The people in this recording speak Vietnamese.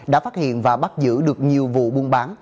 đã phát hiện và bắt giữ được nhiều vụ buôn bán